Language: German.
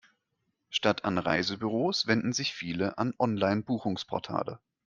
Statt an Reisebüros wenden sich viele an Online-Buchungsportale.